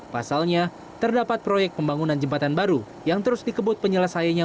pasalnya terdapat proyek pembangunan jembatan baru yang terus dikebut penyelesaiannya